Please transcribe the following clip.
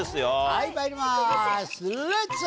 はいまいりますレッツ。